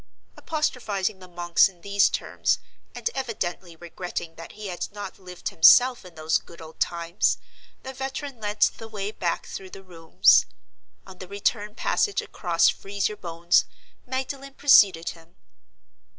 Apostrophizing the monks in these terms, and evidently regretting that he had not lived himself in those good old times, the veteran led the way back through the rooms. On the return passage across "Freeze your Bones," Magdalen preceded him.